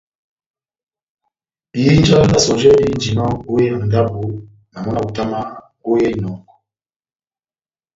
Ihinja d́ sɔjɛ dihínjinɔ ó hé ya ndábo, na mɔ́ na hutamahá ó ya inɔngɔ.